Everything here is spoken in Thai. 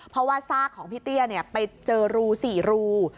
เพราะว่าซากของพี่เตี้ยเนี่ยไปเจอรูสี่รู